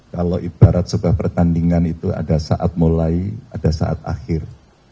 kalau ibarat sebuah pertandingan itu ada saat mulai ada saat akhir